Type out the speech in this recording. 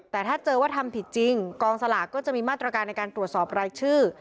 แต่ถ้าเจอว่าทำผิดจริงกองสลากก็จะมีมาตรการในการตรวจสอบรายชื่อ